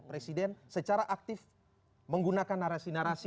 presiden secara aktif menggunakan narasi narasi